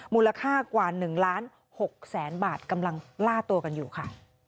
มูลค่ากว่า๑ล้าน๖แสนบาทกำลังล่าตัวกันอยู่ค่ะ